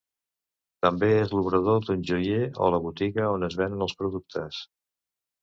També és l'obrador d'un joier o la botiga on es venen els productes.